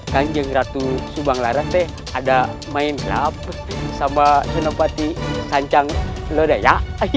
kanjeng ratu subang laras ada main klub sama senopati sancang lodea